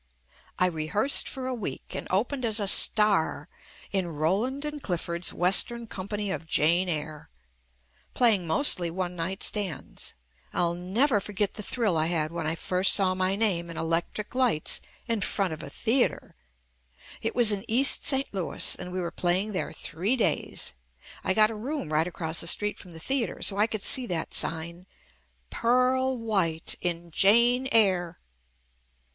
I rehearsed for a week and opened as a star in "Rowland & Clifford's Western Company of Jane Eyre," playing mostly one night stands. I'll never forget the thrill I had when I first saw my name in electric lights in front of a theatre. It was in East St. Louis, and we were playing there three days. I got a room right across the street from the theatre so I could see that sign "Pearl White in Jane Eyre."